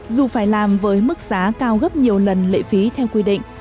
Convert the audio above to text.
dù phải làm với mức giá cao gấp nhiều lần lệ phí theo quy định